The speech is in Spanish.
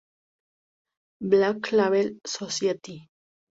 Black Label Society